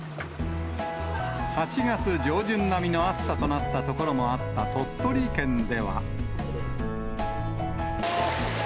８月上旬並みの暑さとなった所もあった鳥取県では。